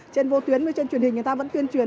trên vô tuyến trên truyền hình người ta vẫn tuyên truyền